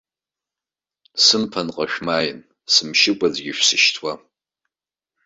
Сымԥынҟа шәмааин, сымшьыкәа аӡәгьы шәсышьҭуам!